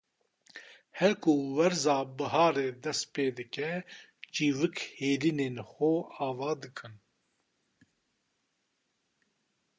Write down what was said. Her ku werza biharê dest pê dike, çivîk hêlînên xwe ava dikin.